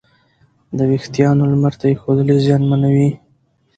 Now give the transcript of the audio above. د وېښتیانو لمر ته ایښودل یې زیانمنوي.